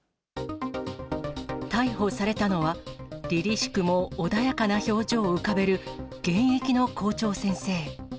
逮捕されたのは、りりしくも穏やかな表情を浮かべる現役の校長先生。